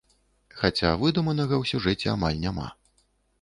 Хаця выдуманага ў сюжэце амаль няма.